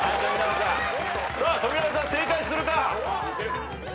さあ富永さん正解するか？